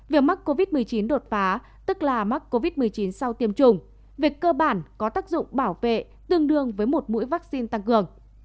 việc mắc covid một mươi chín đột phá tức là mắc covid một mươi chín sau tiêm chủng về cơ bản có tác dụng bảo vệ tương đương với một mũi vaccine tăng cường